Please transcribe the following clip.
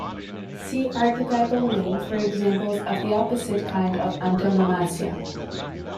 See "archetypal name" for examples of the opposite kind of antonomasia.